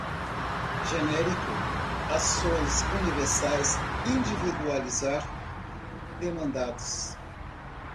genérico, ações universais, individualizar, demandados